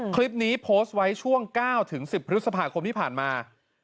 คลิปนี้โพสต์ไว้ช่วง๙๑๐พฤษภาคมที่ผ่านมา